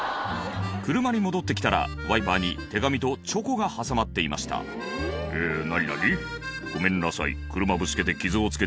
車に戻って来たらワイパーに手紙とチョコが挟まっていました「え何何？」